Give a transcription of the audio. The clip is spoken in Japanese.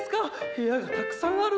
部屋がたくさんある。